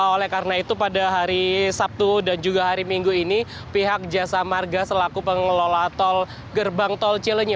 oleh karena itu pada hari sabtu dan juga hari minggu ini pihak jasa marga selaku pengelola tol gerbang tol cilenyi